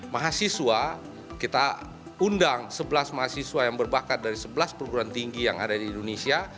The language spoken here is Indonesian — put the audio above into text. mahasiswa kita undang sebelas mahasiswa yang berbakat dari sebelas perguruan tinggi yang ada di indonesia